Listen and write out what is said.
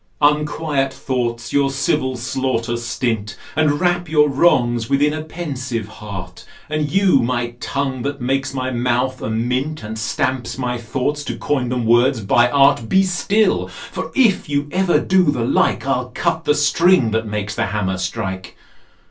Unquiet thoughts your civil slaughter stint, and wrap your wrongs within a pensive heart: and you my tongue that makes my mouth a mint, and stamps my thoughts to coin them words by art, Be still: for if you ever do the like, I'll cut the string that makes the hammer strike.